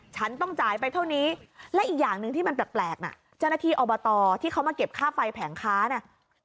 ฉันต้องจ่ายไปเท่านี้และอีกอย่างหนึ่งที่มันแปลกน่ะเจ้าหน้าที่อบตที่เขามาเก็บค่าไฟแผงค้าน่ะ